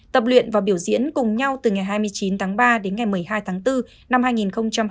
tập luyện và biểu diễn cùng nhau từ ngày hai mươi chín tháng ba đến ngày một mươi hai tháng